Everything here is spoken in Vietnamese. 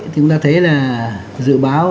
chúng ta thấy là dự báo